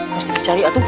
harus dicari atuh